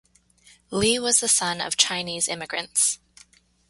Lee was the son of Chinese immigrants.